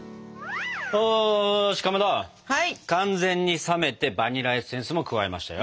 おしかまど完全に冷めてバニラエッセンスも加えましたよ。